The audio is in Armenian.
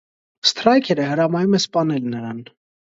Սթրայքերը հրամայում է սպանել նրան։